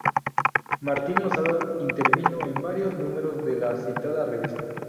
Martín Losada intervino en varios números de la citada revista.